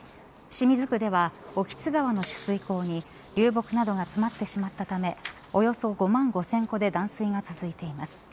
清水区では興津川の取水口に流木などが詰まってしまったためおよそ５万５０００戸で断水が続いています。